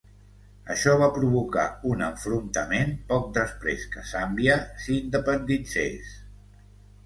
Això va provocar un enfrontament poc després que Zàmbia s'independitzés.